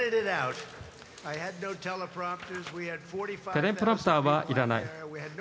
テレプロンプターはいらない。